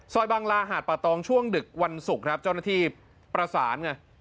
บางลาหาดป่าตองช่วงดึกวันศุกร์ครับเจ้าหน้าที่ประสานไง